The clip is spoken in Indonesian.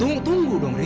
eh ri tunggu dong ri